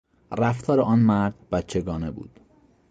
رفتار آن مرد بچگانه بود.